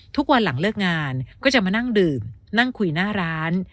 ทุกวันหลังเลิกงานก็จะมานั่งดื่มนั่งคุยหน้าร้าน